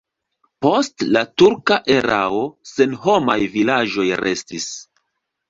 Post la turka erao senhomaj vilaĝoj restis.